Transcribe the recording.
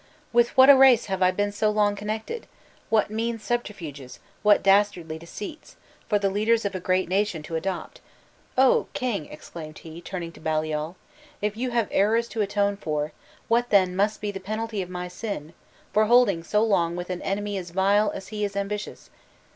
"With what a race have I been so long connected! What mean subterfuges, what dastardly deceits, for the leaders of a great nation to adopt! Oh, king!" exclaimed he, turning to Baliol, "if you have errors to atone for, what then must be the penalty of my sin, for holding so long with an enemy as vile as he is ambitious!